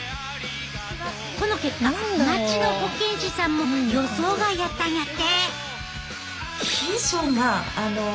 この結果町の保健師さんも予想外やったんやって！